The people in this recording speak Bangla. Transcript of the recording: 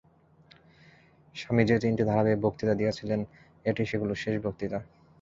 স্বামী যে তিনটি ধারাবাহিক বক্তৃতা দিয়াছিলেন, এটিই সেগুলির শেষ বক্তৃতা।